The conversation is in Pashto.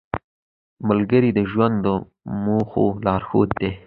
ملګری د ژوند د موخو لارښود دی